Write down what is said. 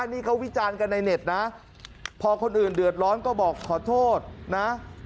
นี่เขาวิจารณ์กันในเน็ตนะพอคนอื่นเดือดร้อนก็บอกขอโทษนะ